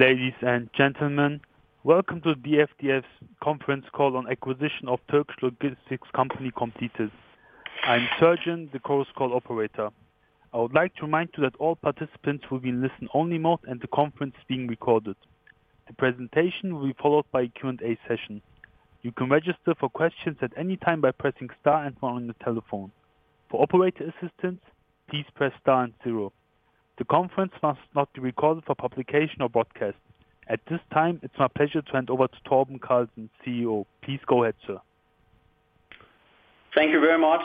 Ladies and gentlemen, welcome to DFDS conference call on acquisition of Turkish logistics company competitors. I'm Sergen, the conference call operator. I would like to remind you that all participants will be in listen-only mode and the conference is being recorded. The presentation will be followed by a Q&A session. You can register for questions at any time by pressing star and one on the telephone. For operator assistance, please press star and zero. The conference must not be recorded for publication or broadcast. At this time, it's my pleasure to hand over to Torben Carlsen, CEO. Please go ahead, sir. Thank you very much.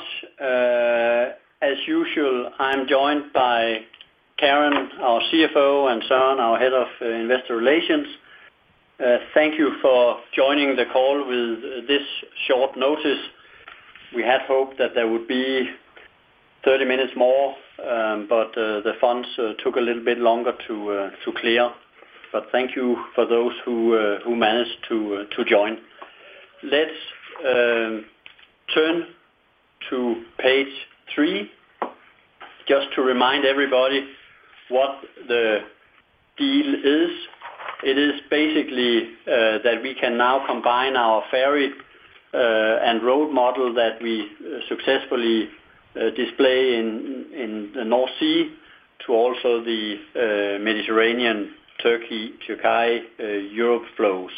As usual, I'm joined by Karen, our CFO, and Søren, our Head of Investor Relations. Thank you for joining the call with this short notice. We had hoped that there would be 30 minutes more, but the funds took a little bit longer to clear. But thank you for those who managed to join. Let's turn to page three, just to remind everybody what the deal is. It is basically that we can now combine our ferry and road model that we successfully display in the North Sea to also the Mediterranean, Turkey, Türkiye, Europe flows.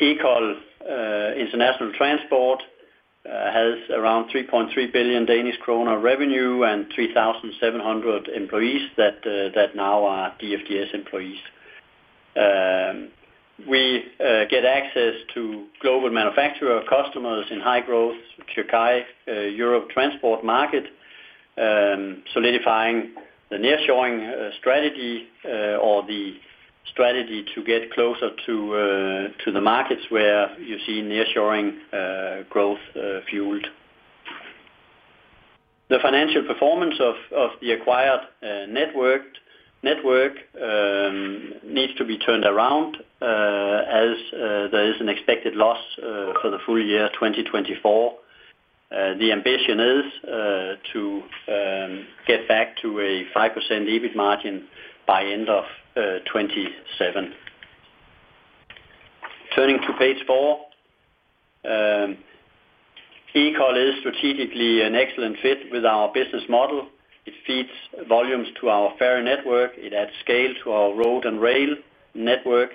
Ekol International Transport has around 3.3 billion Danish kroner revenue and 3,700 employees that now are DFDS employees. We get access to global manufacturer customers in high-growth Türkiye, Europe transport market, solidifying the nearshoring strategy or the strategy to get closer to the markets where you see nearshoring growth fueled. The financial performance of the acquired network needs to be turned around as there is an expected loss for the full year 2024. The ambition is to get back to a 5% EBIT margin by end of 2027. Turning to page four, Ekol is strategically an excellent fit with our business model. It feeds volumes to our ferry network. It adds scale to our road and rail network,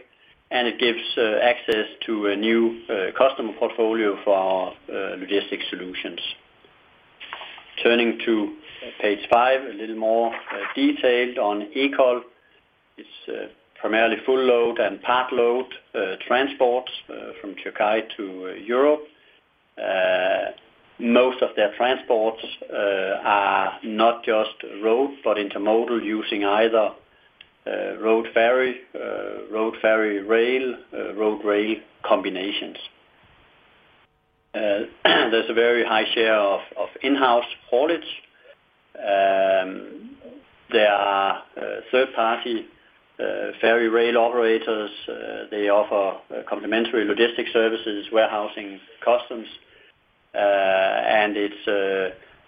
and it gives access to a new customer portfolio for our logistics solutions. Turning to page five, a little more detailed on Ekol. It's primarily full load and part load transport from Türkiye to Europe. Most of their transports are not just road, but intermodal using either road ferry, road ferry rail, road rail combinations. There's a very high share of in-house haulage. There are third-party ferry rail operators. They offer complementary logistics services, warehousing, customs.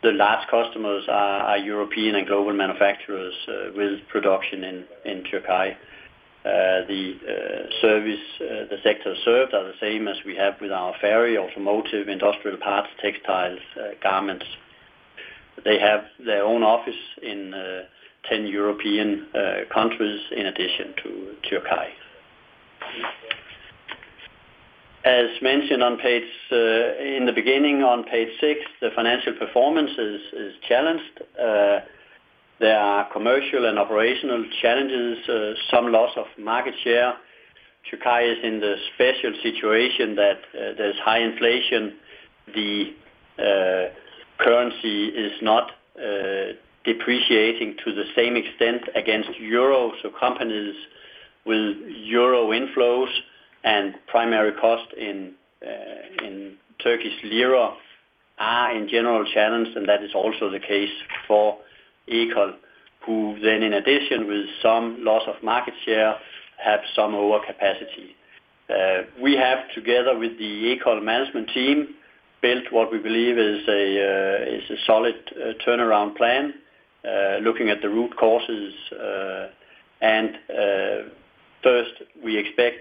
The large customers are European and global manufacturers with production in Türkiye. The sectors served are the same as we have with our ferry, automotive, industrial parts, textiles, garments. They have their own office in 10 European countries in addition to Türkiye. As mentioned in the beginning, on page six, the financial performance is challenged. There are commercial and operational challenges, some loss of market share. Türkiye is in the special situation that there's high inflation. The currency is not depreciating to the same extent against euros. So companies with euro inflows and primary cost in Turkish lira are in general challenged, and that is also the case for Ekol, who then in addition, with some loss of market share, have some overcapacity. We have, together with the Ekol management team, built what we believe is a solid turnaround plan looking at the root causes. First, we expect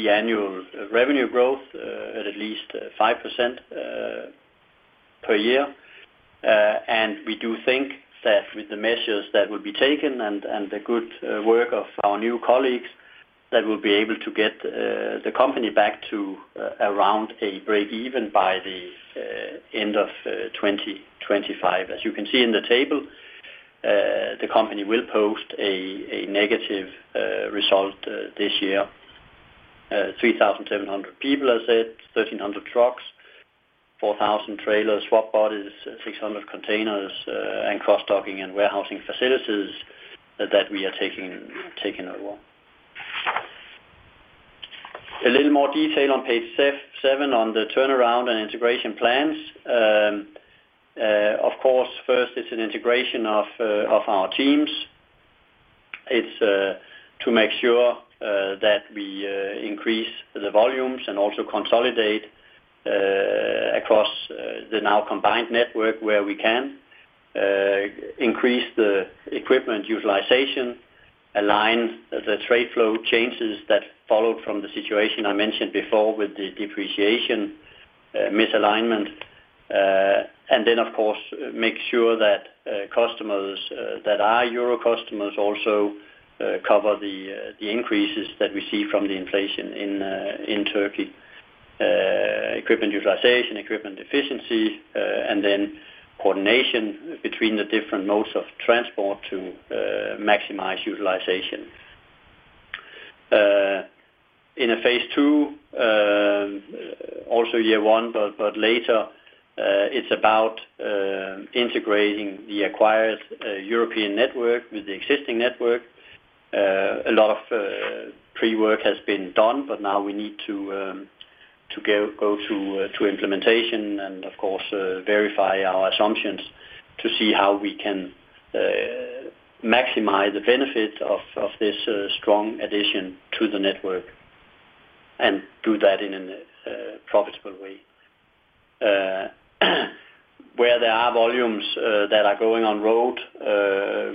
that there will be annual revenue growth at least 5% per year. We do think that with the measures that will be taken and the good work of our new colleagues, that we'll be able to get the company back to around a break-even by the end of 2025. As you can see in the table, the company will post a negative result this year. 3,700 people, as I said, 1,300 trucks, 4,000 trailers, swap bodies, 600 containers, and cross-docking and warehousing facilities that we are taking over. A little more detail on page seven on the turnaround and integration plans. Of course, first, it's an integration of our teams. It's to make sure that we increase the volumes and also consolidate across the now combined network where we can, increase the equipment utilization, align the trade flow changes that followed from the situation I mentioned before with the depreciation misalignment, and then, of course, make sure that customers that are euro customers also cover the increases that we see from the inflation in Turkey, equipment utilization, equipment efficiency, and then coordination between the different modes of transport to maximize utilization. In phase II, also year one, but later, it's about integrating the acquired European network with the existing network. A lot of pre-work has been done, but now we need to go to implementation and, of course, verify our assumptions to see how we can maximize the benefit of this strong addition to the network and do that in a profitable way. Where there are volumes that are going on road,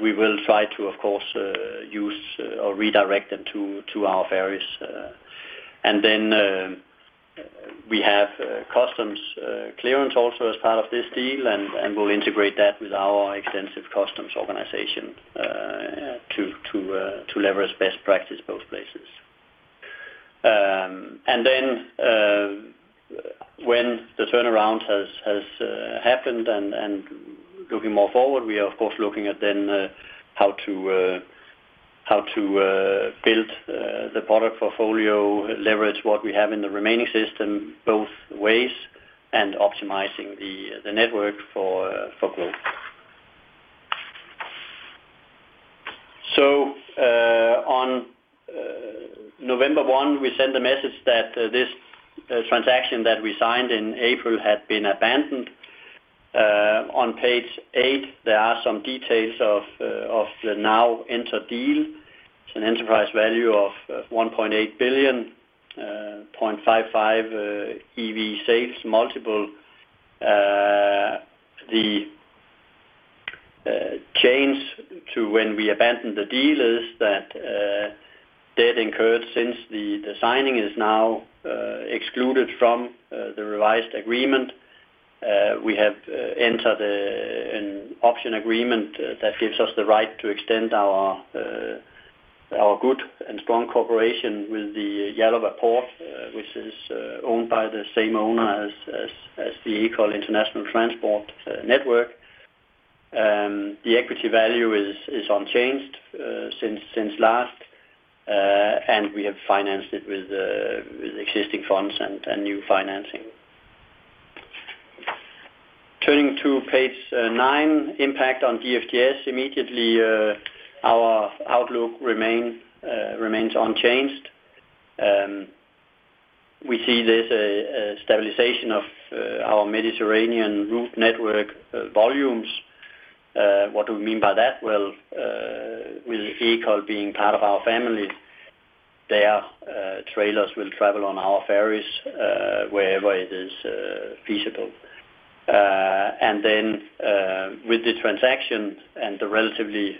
we will try to, of course, use or redirect them to our ferries, and then we have customs clearance also as part of this deal, and we'll integrate that with our extensive customs organization to leverage best practice both places, and then when the turnaround has happened and looking more forward, we are, of course, looking at then how to build the product portfolio, leverage what we have in the remaining system both ways, and optimizing the network for growth, so on November 1, we sent a message that this transaction that we signed in April had been abandoned. On page eight, there are some details of the now entered deal. It's an enterprise value of 1.8 billion, 0.55 EV sales multiple. The change to when we abandoned the deal is that debt incurred since the signing is now excluded from the revised agreement. We have entered an option agreement that gives us the right to extend our good and strong cooperation with Yalova, which is owned by the same owner as the Ekol International Transport Network. The equity value is unchanged since last, and we have financed it with existing funds and new financing. Turning to page nine, impact on DFDS, immediately our outlook remains unchanged. We see there's a stabilization of our Mediterranean route network volumes. What do we mean by that? Well, with Ekol being part of our family, their trailers will travel on our ferries wherever it is feasible. And then with the transaction and the relatively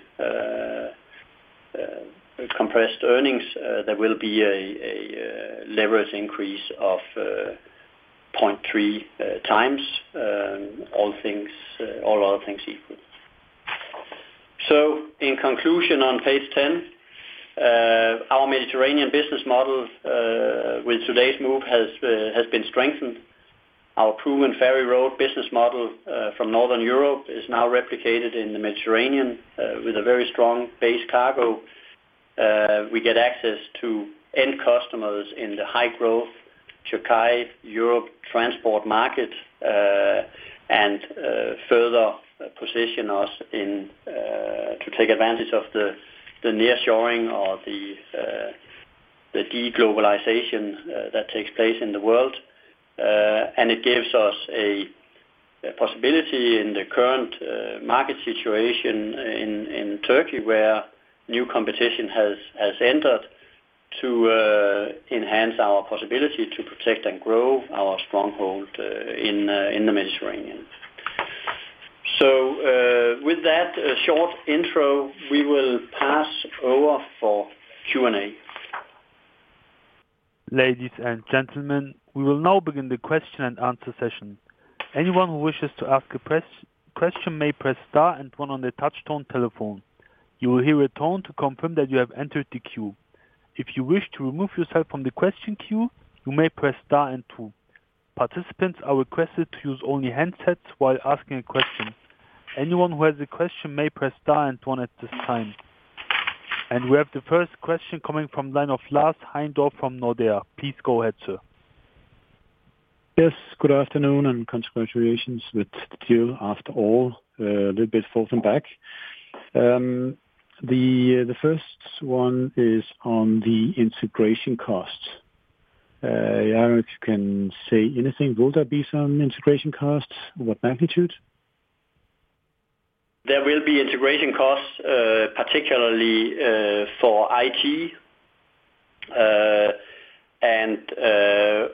compressed earnings, there will be a leverage increase of 0.3x, all other things equal. So in conclusion, on page 10, our Mediterranean business model with today's move has been strengthened. Our proven ferry road business model from Northern Europe is now replicated in the Mediterranean with a very strong base cargo. We get access to end customers in the high-growth Türkiye-Europe transport market and further position us to take advantage of the nearshoring or the deglobalization that takes place in the world. And it gives us a possibility in the current market situation in Turkey where new competition has entered to enhance our possibility to protect and grow our stronghold in the Mediterranean. So with that short intro, we will pass over for Q&A. Ladies and gentlemen, we will now begin the question and answer session. Anyone who wishes to ask a question may press star and one on the touch-tone telephone. You will hear a tone to confirm that you have entered the queue. If you wish to remove yourself from the question queue, you may press star and two. Participants are requested to use only handsets while asking a question. Anyone who has a question may press star and one at this time, and we have the first question coming from the line of Lars Heindorff from Nordea. Please go ahead, sir. Yes, good afternoon and congratulations with the deal after all. A little bit forth and back. The first one is on the integration costs. I don't know if you can say anything. Will there be some integration costs? What magnitude? There will be integration costs, particularly for IT. And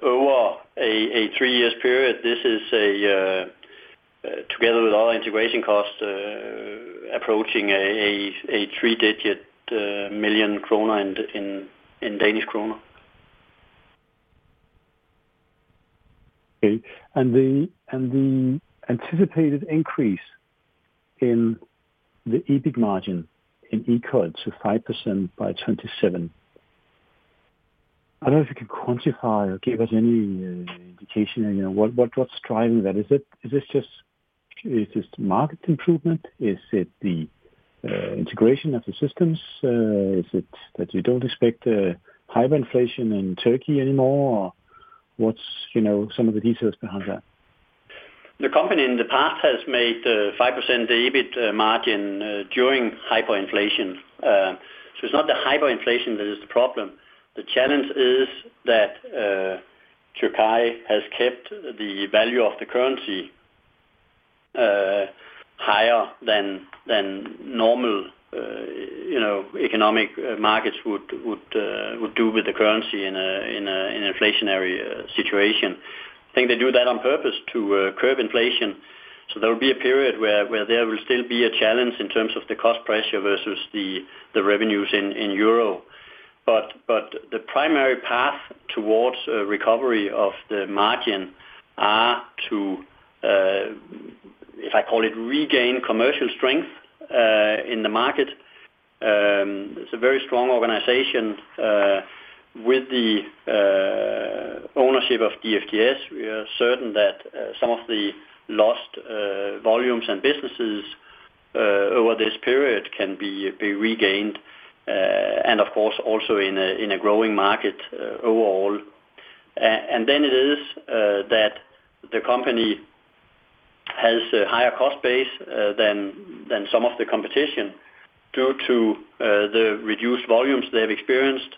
over a three-year period, this is together with all integration costs approaching a three-digit million kroner in Danish kroner. Okay. And the anticipated increase in the EBIT margin in Ekol to 5% by 2027. I don't know if you can quantify or give us any indication. What's driving that? Is it just market improvement? Is it the integration of the systems? Is it that you don't expect hyperinflation in Turkey anymore? What's some of the details behind that? The company in the past has made 5% EBIT margin during hyperinflation. So it's not the hyperinflation that is the problem. The challenge is that Türkiye has kept the value of the currency higher than normal economic markets would do with the currency in an inflationary situation. I think they do that on purpose to curb inflation. So there will be a period where there will still be a challenge in terms of the cost pressure versus the revenues in euro. But the primary path towards recovery of the margin are to, if I call it, regain commercial strength in the market. It's a very strong organization. With the ownership of DFDS, we are certain that some of the lost volumes and businesses over this period can be regained. And of course, also in a growing market overall. Then it is that the company has a higher cost base than some of the competition due to the reduced volumes they have experienced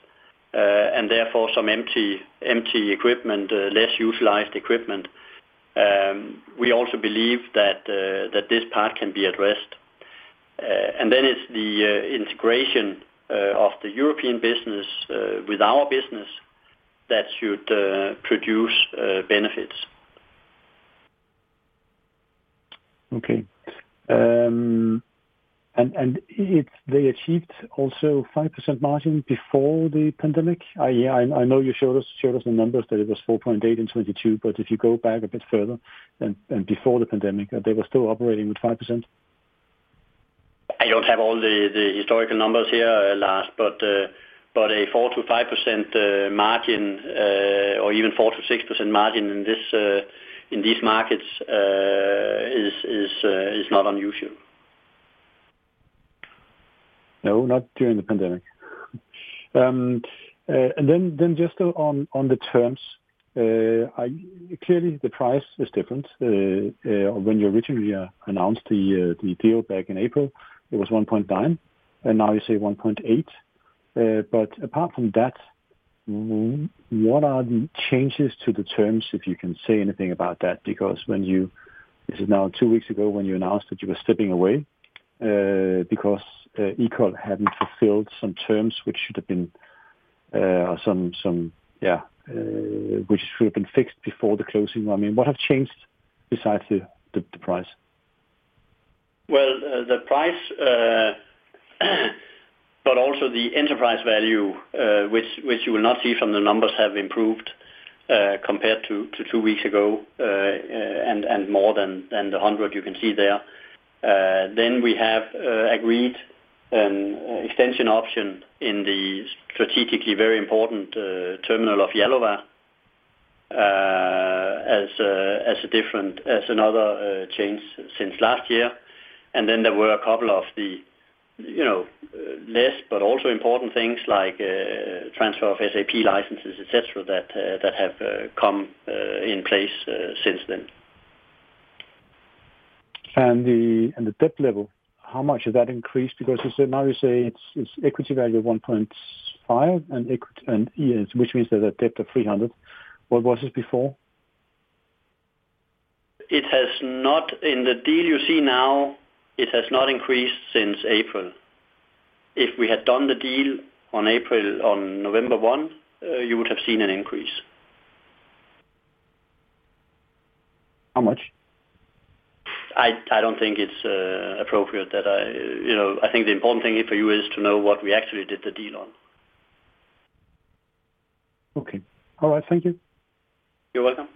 and therefore some empty equipment, less utilized equipment. We also believe that this part can be addressed. Then it's the integration of the European business with our business that should produce benefits. Okay, and they achieved also 5% margin before the pandemic? I know you showed us the numbers that it was 4.8 in 2022, but if you go back a bit further and before the pandemic, they were still operating with 5%? I don't have all the historical numbers here Lars, but a 4%-5% margin or even 4%-6% margin in these markets is not unusual. No, not during the pandemic. And then just on the terms, clearly the price is different. When you originally announced the deal back in April, it was 1.9, and now you say 1.8. But apart from that, what are the changes to the terms if you can say anything about that? Because this is now two weeks ago when you announced that you were stepping away because Ekol hadn't fulfilled some terms which should have been fixed before the closing. I mean, what has changed besides the price? The price, but also the enterprise value, which you will not see from the numbers, have improved compared to two weeks ago and more than the 100 you can see there. Then we have agreed an extension option in the strategically very important terminal of Yalova as another change since last year. And then there were a couple of the less but also important things like transfer of SAP licenses, et cetera., that have come in place since then. And the debt level, how much has that increased? Because now you say it's equity value of 1.5, which means there's a debt of 300. What was it before? It has not. In the deal you see now, it has not increased since April. If we had done the deal on November 1, you would have seen an increase. How much? I don't think it's appropriate. The important thing for you is to know what we actually did the deal on. Okay. All right. Thank you. You're welcome.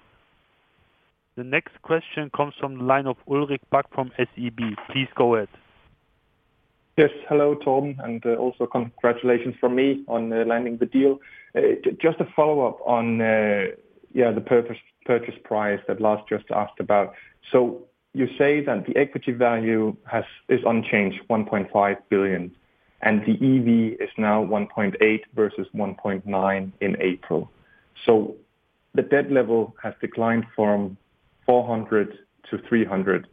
The next question comes from the line of Ulrik Bak from SEB. Please go ahead. Yes. Hello, Torben. And also congratulations from me on landing the deal. Just a follow-up on the purchase price that Lars just asked about. So you say that the equity value is unchanged, 1.5 billion, and the EV is now 1.8 billion versus 1.9 billion in April. So the debt level has declined from 400 to 300.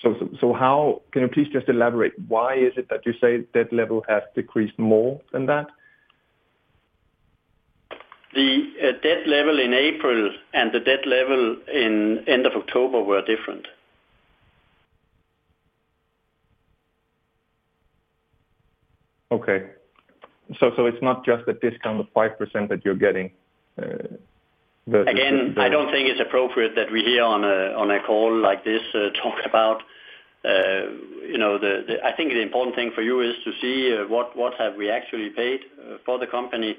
So can you please just elaborate why is it that you say debt level has decreased more than that? The debt level in April and the debt level at the end of October were different. Okay. So it's not just the discount of 5% that you're getting versus 300? Again, I don't think it's appropriate that we here on a call like this talk about. I think the important thing for you is to see what have we actually paid for the company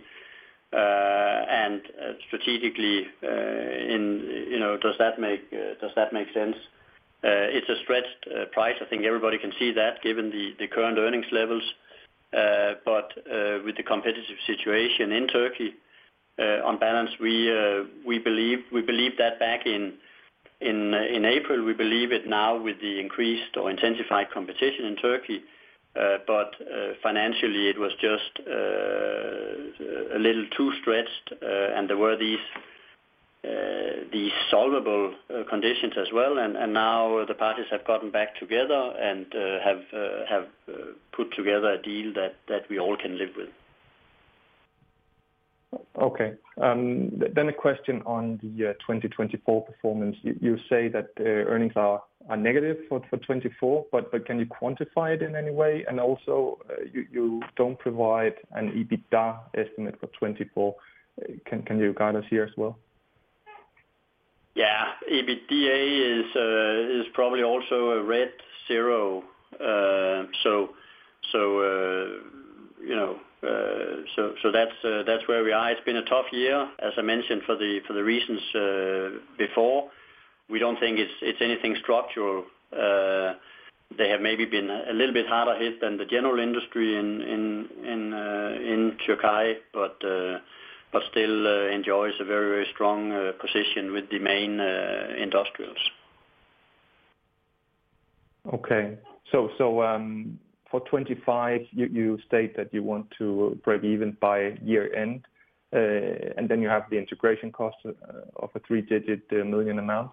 and strategically, does that make sense? It's a stretched price. I think everybody can see that given the current earnings levels, but with the competitive situation in Turkey, on balance, we believed that back in April. We believe it now with the increased or intensified competition in Turkey, but financially, it was just a little too stretched, and there were these solvable conditions as well, and now the parties have gotten back together and have put together a deal that we all can live with. Okay. Then a question on the 2024 performance. You say that earnings are negative for 2024, but can you quantify it in any way? And also, you don't provide an EBITDA estimate for 2024. Can you guide us here as well? Yeah. EBITDA is probably also a red zero. So that's where we are. It's been a tough year, as I mentioned, for the reasons before. We don't think it's anything structural. They have maybe been a little bit harder hit than the general industry in Türkiye, but still enjoys a very, very strong position with the main industrials. Okay. So for 2025, you state that you want to break even by year-end, and then you have the integration cost of a three-digit million amount.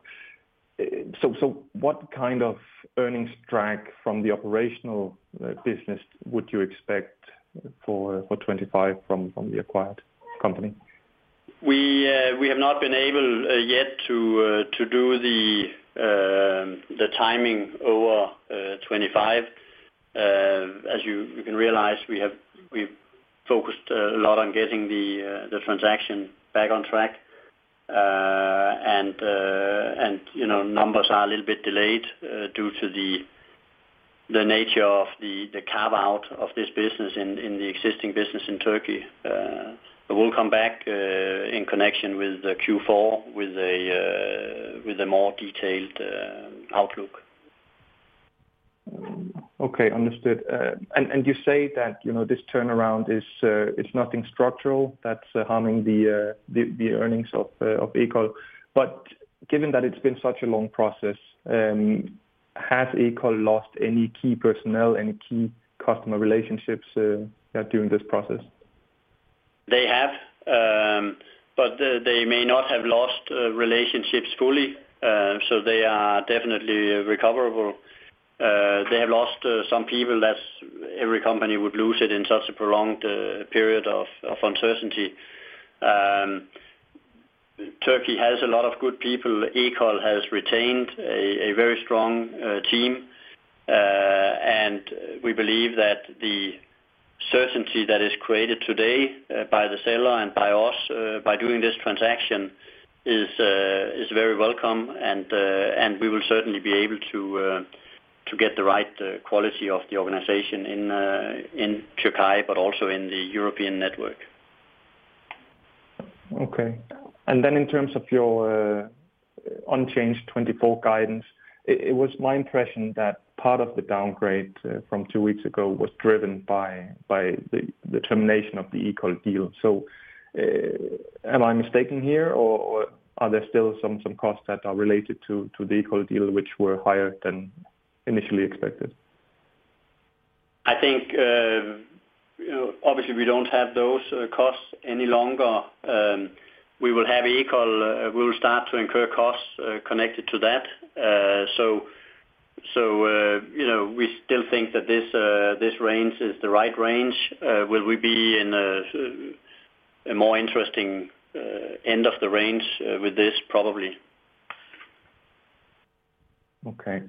So what kind of earnings drag from the operational business would you expect for 2025 from the acquired company? We have not been able yet to do the timing over 2025. As you can realize, we focused a lot on getting the transaction back on track, and numbers are a little bit delayed due to the nature of the carve-out of this business in the existing business in Turkey. We'll come back in connection with Q4 with a more detailed outlook. Okay. Understood. And you say that this turnaround is nothing structural that's harming the earnings of Ekol. But given that it's been such a long process, has Ekol lost any key personnel, any key customer relationships during this process? They have, but they may not have lost relationships fully. So they are definitely recoverable. They have lost some people that every company would lose in such a prolonged period of uncertainty. Turkey has a lot of good people. Ekol has retained a very strong team. And we believe that the certainty that is created today by the seller and by us by doing this transaction is very welcome. And we will certainly be able to get the right quality of the organization in Türkiye, but also in the European network. Okay. And then in terms of your unchanged 2024 guidance, it was my impression that part of the downgrade from two weeks ago was driven by the termination of the Ekol deal. So am I mistaken here, or are there still some costs that are related to the Ekol deal which were higher than initially expected? I think, obviously, we don't have those costs any longer. We will have Ekol. We will start to incur costs connected to that. So we still think that this range is the right range. Will we be in a more interesting end of the range with this? Probably. Okay.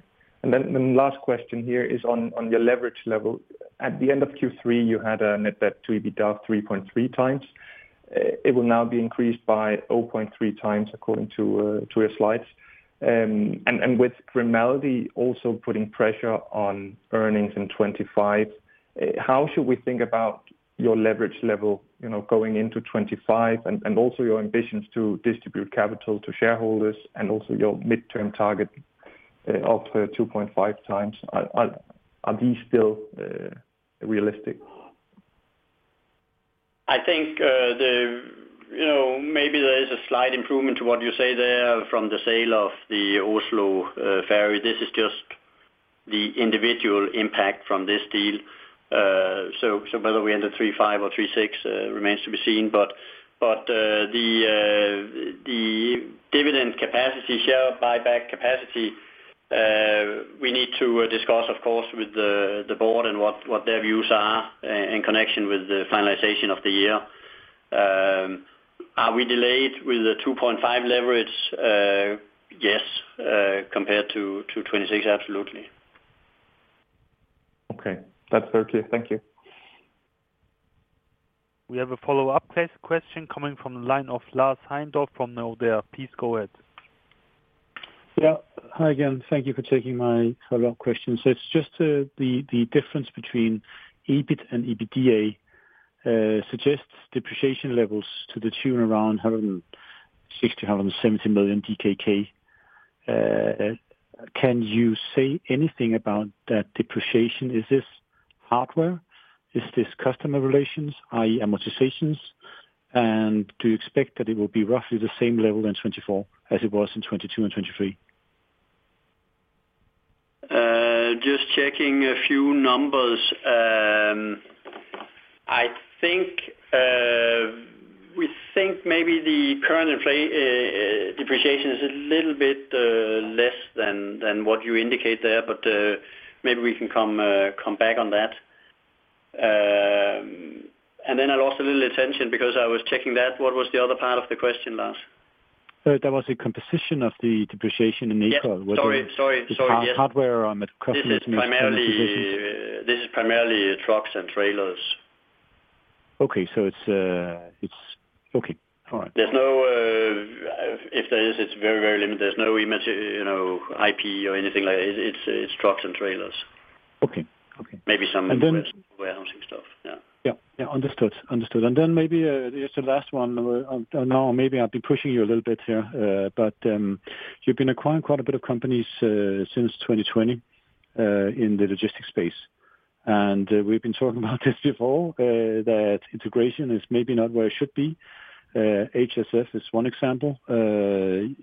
And then the last question here is on your leverage level. At the end of Q3, you had a net debt to EBITDA of 3.3x. It will now be increased by 0.3x according to your slides. And with Grimaldi also putting pressure on earnings in 2025, how should we think about your leverage level going into 2025 and also your ambitions to distribute capital to shareholders and also your midterm target of 2.5 times? Are these still realistic? I think maybe there is a slight improvement to what you say there from the sale of the Oslo ferry. This is just the individual impact from this deal. So whether we end at 3.5 or 3.6 remains to be seen. But the dividend capacity, share buyback capacity, we need to discuss, of course, with the board and what their views are in connection with the finalization of the year. Are we delayed with the 2.5 leverage? Yes. Compared to 2026, absolutely. Okay. That's very clear. Thank you. We have a follow-up question coming from the line of Lars Heindorff from Nordea. Please go ahead. Yeah. Hi again. Thank you for taking my follow-up question. So it's just the difference between EBIT and EBITDA suggests depreciation levels to the tune around DKK 160million-170 million. Can you say anything about that depreciation? Is this hardware? Is this customer relations, i.e., amortizations? And do you expect that it will be roughly the same level in 2024 as it was in 2022 and 2023? Just checking a few numbers. I think maybe the current depreciation is a little bit less than what you indicate there, but maybe we can come back on that. And then I lost a little attention because I was checking that. What was the other part of the question, Lars? That was the composition of the depreciation in Ekol. Sorry. Sorry. Yes? are our customers meaning composition? This is primarily trucks and trailers. Okay. So it's okay. All right. If there is, it's very, very limited. There's no IP or anything like that. It's trucks and trailers. Okay. Okay. Maybe some warehousing stuff. Yeah. Yeah. Understood. Now, maybe just the last one. Maybe I'll be pushing you a little bit here, but you've been acquiring quite a bit of companies since 2020 in the logistics space. We've been talking about this before, that integration is maybe not where it should be. HSF is one example. And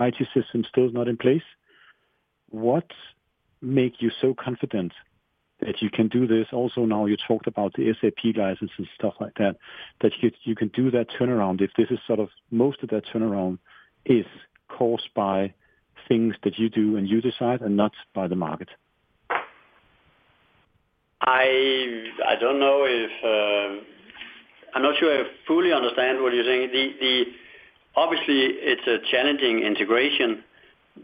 IT system still is not in place. What makes you so confident that you can do this? Also, now you talked about the SAP license and stuff like that, that you can do that turnaround if this is sort of most of that turnaround is caused by things that you do and you decide and not by the market? I don't know. I'm not sure I fully understand what you're saying. Obviously, it's a challenging integration.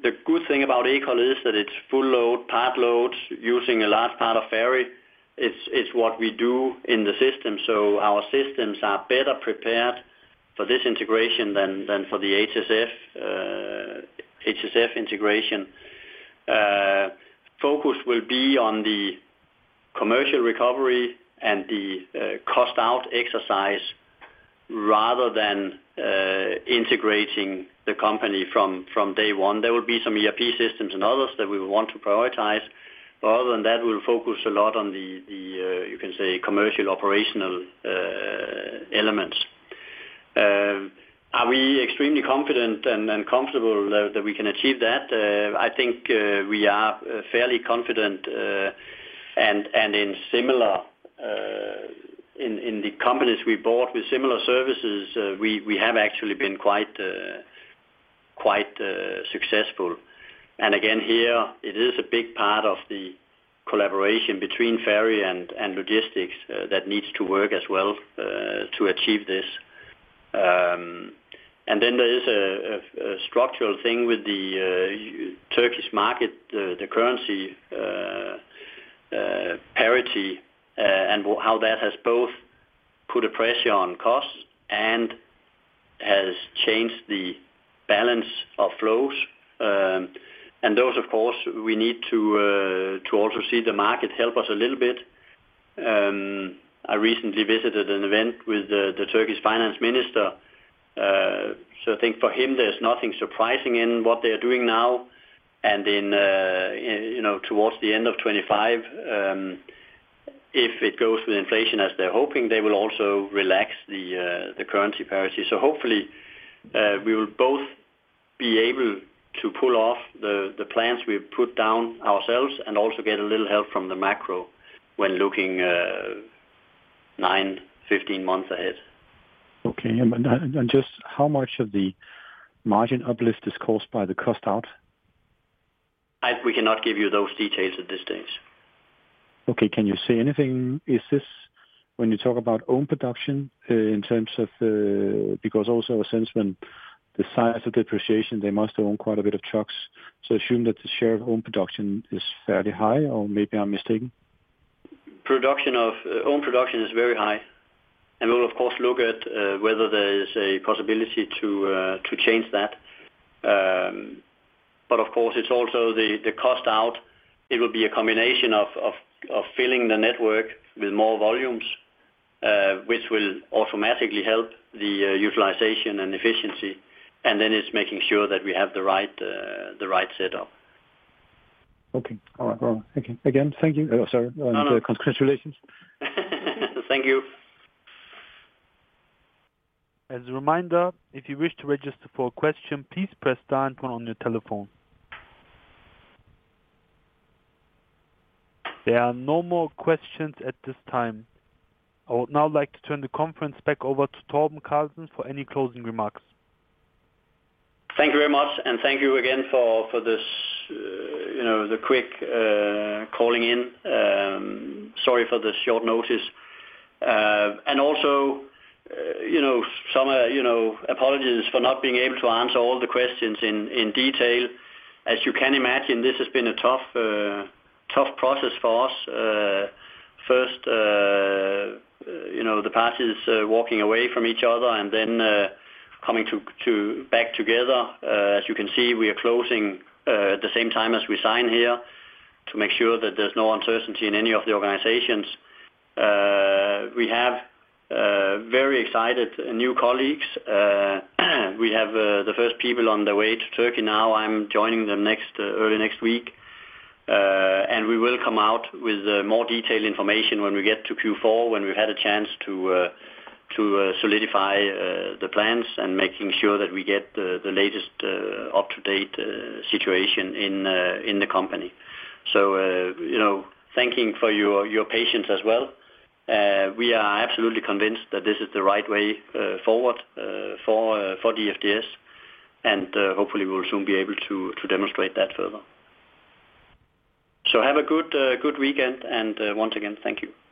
The good thing about Ekol is that it's full load, part load using a large part of ferry. It's what we do in the system. So our systems are better prepared for this integration than for the HSF integration. Focus will be on the commercial recovery and the cost-out exercise rather than integrating the company from day one. There will be some ERP systems and others that we will want to prioritize, but other than that, we'll focus a lot on the, you can say, commercial operational elements. Are we extremely confident and comfortable that we can achieve that? I think we are fairly confident, and in the companies we bought with similar services, we have actually been quite successful. And again, here, it is a big part of the collaboration between ferry and logistics that needs to work as well to achieve this. And then there is a structural thing with the Turkish market, the currency parity, and how that has both put a pressure on costs and has changed the balance of flows. And those, of course, we need to also see the market help us a little bit. I recently visited an event with the Turkish Finance Minister. So I think for him, there's nothing surprising in what they are doing now. And towards the end of 2025, if it goes with inflation as they're hoping, they will also relax the currency parity. So hopefully, we will both be able to pull off the plans we put down ourselves and also get a little help from the macro when looking nine, 15 months ahead. Okay, and just how much of the margin uplift is caused by the cost-out? We cannot give you those details at this stage. Okay. Can you say anything? Is this when you talk about own production in terms of because also since the size of depreciation, they must own quite a bit of trucks? So assume that the share of own production is fairly high, or maybe I'm mistaken? own production is very high, and we will, of course, look at whether there is a possibility to change that, but of course, it's also the cost-out. It will be a combination of filling the network with more volumes, which will automatically help the utilization and efficiency, and then it's making sure that we have the right setup. Okay. All right. Again, thank you. Sorry. Congratulations. Thank you. As a reminder, if you wish to register for a question, please press the icon on your telephone. There are no more questions at this time. I would now like to turn the conference back over to Torben Carlsen, for any closing remarks. Thank you very much. And thank you again for the quick calling in. Sorry for the short notice. And also, some apologies for not being able to answer all the questions in detail. As you can imagine, this has been a tough process for us. First, the parties walking away from each other and then coming back together. As you can see, we are closing at the same time as we sign here to make sure that there's no uncertainty in any of the organizations. We have very excited new colleagues. We have the first people on their way to Turkey now. I'm joining them early next week. And we will come out with more detailed information when we get to Q4, when we've had a chance to solidify the plans and making sure that we get the latest up-to-date situation in the company. So thanking for your patience as well. We are absolutely convinced that this is the right way forward for DFDS. And hopefully, we will soon be able to demonstrate that further. So have a good weekend. And once again, thank you.